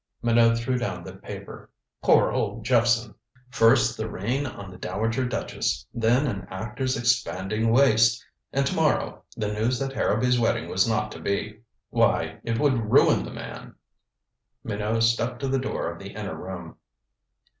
Minot threw down the paper. Poor old Jephson! First the rain on the dowager duchess, then an actor's expanding waist and to morrow the news that Harrowby's wedding was not to be. Why, it would ruin the man! Minot stepped to the door of the inner room.